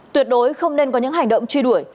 tuyệt đối không nên có những hành động truy đuổi